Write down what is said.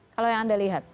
kalau yang anda lihat